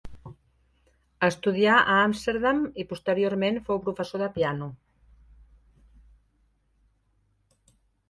Estudià a Amsterdam i posteriorment fou professor de piano.